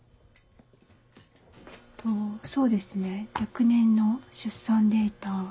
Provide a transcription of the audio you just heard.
そうですね若年の出産データ。